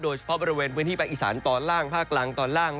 โดยเฉพาะบริเวณพื้นที่ภาคอีสานตอนล่างภาคกลางตอนล่าง